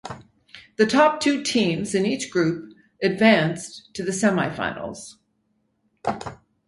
The top two teams in each group advanced to the semi finals.